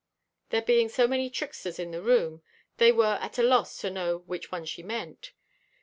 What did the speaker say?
There being so many "tricksters" in the room, they were at a loss to know which one she meant.